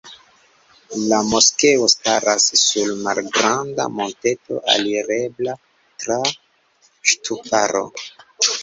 La moskeo staras sur malgranda monteto alirebla tra ŝtuparo.